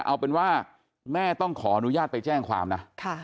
เอาเป็นว่าแม่ต้องขออนุญาตไปแจ้งความนะ